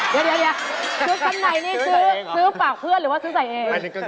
เดี๋ยวชุดชั้นในนี่ซื้อปากเพื่อนหรือว่าซื้อใส่เอง